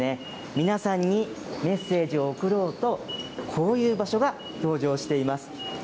皆さんにメッセージを送ろうと、こういう場所が登場しています。